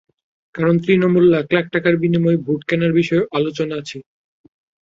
কারণ, তৃণমূলে লাখ লাখ টাকার বিনিময়ে ভোট কেনার বিষয়েও আলোচনা আছে।